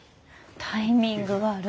タイミングわる。